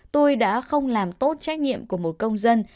tôi đã không làm tốt trách nhiệm của một công dân